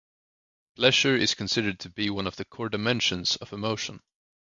Pleasure is considered to be one of the core dimensions of emotion.